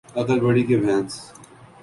عقل بڑی کہ بھینس